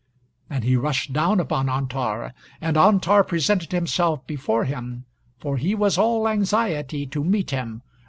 And he rushed down upon Antar. And Antar presented himself before him, for he was all anxiety to meet him.